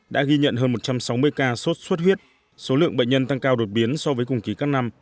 đã ghi nhận hơn một trăm sáu mươi ca sốt xuất huyết số lượng bệnh nhân tăng cao đột biến so với cùng ký các năm